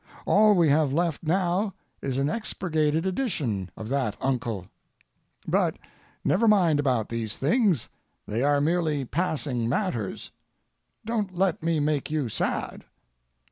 All we have left now is an expurgated edition of that uncle. But never mind about these things; they are merely passing matters. Don't let me make you sad.